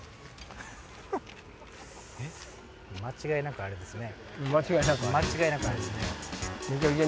間違いなくあれですね。